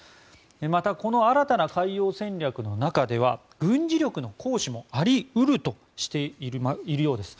またこの新たな海洋戦略の中では軍事力の行使もあり得るとしているようです。